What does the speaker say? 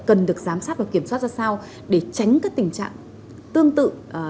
cần được giám sát và kiểm soát ra sao để tránh cái tình trạng tương tự